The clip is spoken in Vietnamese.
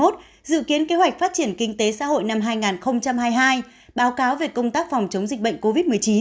dự kiến kế hoạch phát triển kinh tế xã hội năm hai nghìn hai mươi hai báo cáo về công tác phòng chống dịch bệnh covid một mươi chín